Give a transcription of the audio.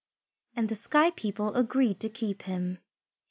And the sky people agreed to keep him.